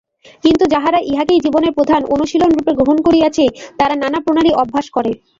কিন্তু যাহারা ইহাকেই জীবনের প্রধান অনুশীলনরূপে গ্রহণ করিয়াছে, তাহারা নানা প্রণালী অভ্যাস করে।